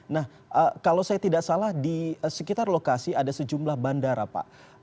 nah kalau saya tidak salah di sekitar lokasi ada sejumlah bandara pak